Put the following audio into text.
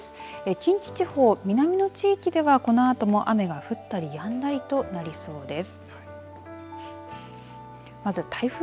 近畿地方、南の地域ではこのあとも雨が降ったりやんだりとなりそうです。